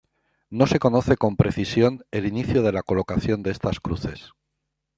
No se conoce con precisión el inicio de la colocación de estas cruces.